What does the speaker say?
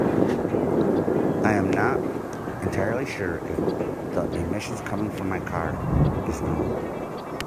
I'm not entirely sure if the emission coming from my car is normal.